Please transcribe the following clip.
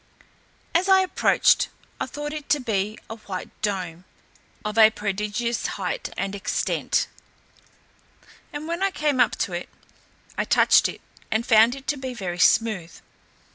As I approached, I thought it to be a white dome, of a prodigious height and extent; and when I came up to it, I touched it, and found it to be very smooth.